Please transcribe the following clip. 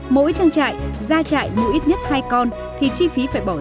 mỗi trang trại gia trại mua ít nhất hai con thì chi phí phải bỏ ra